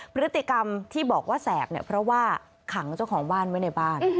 พฤติกรรมที่บอกว่าแสบเนี่ยเพราะว่าขังเจ้าของบ้านไว้ในบ้าน